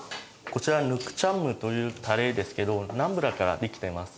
こちらヌクチャムというタレですけどナンプラーからできてます。